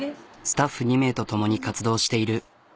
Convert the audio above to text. スタッフ２名とともに活動している。